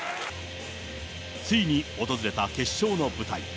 ついに訪れた決勝の舞台。